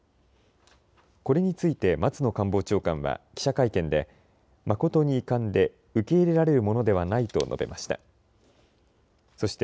これについて松野官房長官は記者会見で誠に遺憾で受け入れられるものではないと述べました。